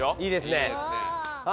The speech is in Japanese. いいですね。